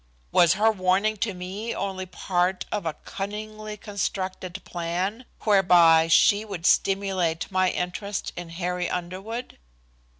Was her warning to me only part of a cunningly constructed plan, whereby she would stimulate my interest in Harry Underwood?